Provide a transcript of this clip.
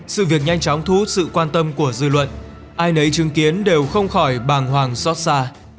sự việc nhanh chóng thu hút sự quan tâm của dư luận ai nấy chứng kiến đều không khỏi bàng hoàng xót xa